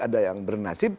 ada yang bernasib